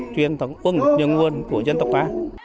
truyền thống quân nhân nguồn của dân tộc ta